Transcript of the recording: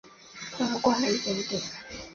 我们逛了一点点